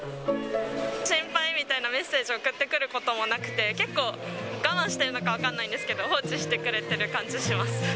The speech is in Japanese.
心配みたいなメッセージを送ってくることもなくて、結構、我慢してるのか分かんないですけど、放置してくれてる感じします。